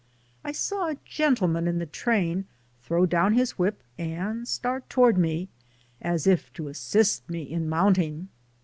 I saw a gentle man in the train throw down his whip and start toward me, as if to assist me in mount ing.